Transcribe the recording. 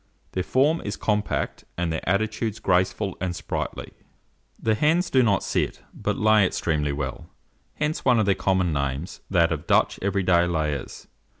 Their form is compact, and their attitudes graceful and sprightly. The hens do not sit, but lay extremely well; hence one of their common names, that of Dutch every day layers.